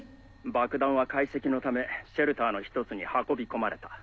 爆弾は解析のためシェルターの一つに運び込まれた。